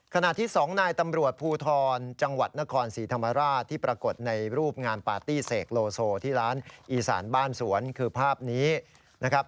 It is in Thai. ขณะที่๒นายตำรวจภูทรจังหวัดนครศรีธรรมราชที่ปรากฏในรูปงานปาร์ตี้เสกโลโซที่ร้านอีสานบ้านสวนคือภาพนี้นะครับ